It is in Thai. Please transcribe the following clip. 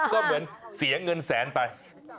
ก็เหมือนเสียเงินแสนไป